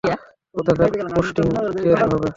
কোথাকার পোস্টিং এর হবে?